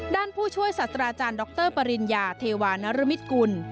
ด้านผู้ช่วยสัตว์ตราจารย์ดรปริญญาเทวานรมิตกุล